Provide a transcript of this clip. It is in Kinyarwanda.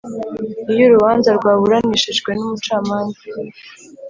Iyo urubanza rwaburanishijwe n umucamanza